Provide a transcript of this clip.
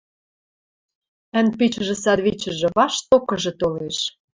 Ӓнпичӹжӹ-садвичӹжӹ вашт токыжы толеш.